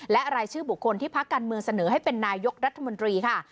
และรายชื่อบุคคลที่พักการเมืองเสนอให้เป็นนายกรัฐมนตรีค่ะ